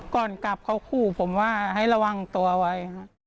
ก่อนกลับเขาขู่ผมว่าให้ระวังตัวไว้